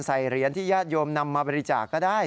เหรียญที่ญาติโยมนำมาบริจาคก็ได้